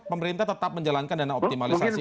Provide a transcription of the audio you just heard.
pemerintah tetap menjalankan dana optimalisasi